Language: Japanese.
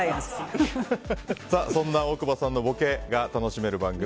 そんな大久保さんのボケが楽しめる番組